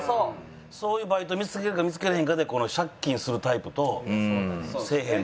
そういうバイト見つかるか見つからへんかで借金するタイプとせえへんタイプに分かれる。